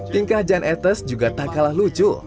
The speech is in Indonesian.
tingkah jan etes juga tak kalah lucu